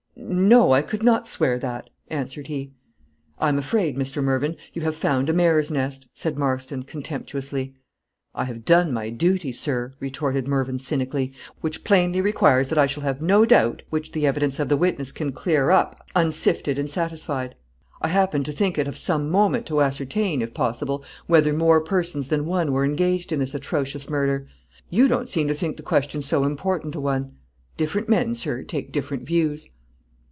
"No, I could not swear that," answered he. "I am afraid, Mr. Mervyn; you have found a mare's nest," said Marston, contemptuously. "I have done my duty, sir," retorted Mervyn, cynically; "which plainly requires that I shall have no doubt, which the evidence of the witness can clear up, unsifted and unsatisfied. I happened to think it of some moment to ascertain, if possible, whether more persons than one were engaged in this atrocious murder. You don't seem to think the question so important a one; different men, sir, take different views."